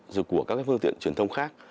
rồi của các phương tiện truyền thông khác